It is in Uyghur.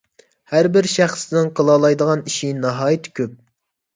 ھەربىر شەخسنىڭ قىلالايدىغان ئىشى ناھايىتى كۆپ.